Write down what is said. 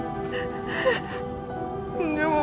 mama terlalu sayang sama kamu